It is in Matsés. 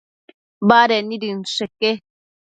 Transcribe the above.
Baded nid inchësheque